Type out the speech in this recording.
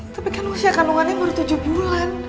tapi kan usia kandungannya baru tujuh bulan